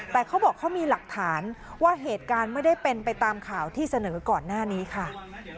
แต่เขาบอกเขามีหลักฐานว่าเหตุการณ์ไม่ได้เป็นไปตามข่าวที่เสนอก่อนหน้านี้ค่ะ